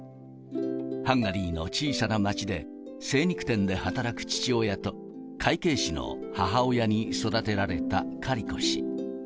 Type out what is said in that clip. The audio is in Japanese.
ハンガリーの小さな町で、精肉店で働く父親と、会計士の母親に育てられたカリコ氏。